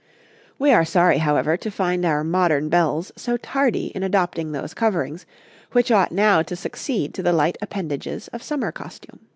We are sorry, however, to find our modern belles so tardy in adopting those coverings, which ought now to succeed to the light appendages of summer costume.